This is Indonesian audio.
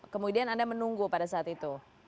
kemudian anda menunggu pada saat itu